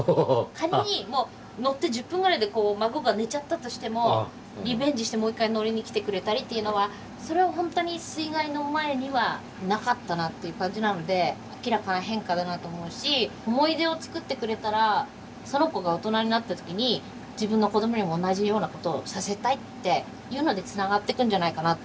仮に乗って１０分ぐらいで孫が寝ちゃったとしてもリベンジしてもう一回乗りに来てくれたりっていうのはそれはホントに水害の前にはなかったなっていう感じなので明らかな変化だなと思うし思い出を作ってくれたらその子が大人になった時に自分の子供にも同じようなことをさせたいっていうのでつながってくんじゃないかなって。